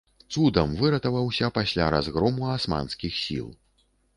Цудам выратаваўся пасля разгрому асманскіх сіл.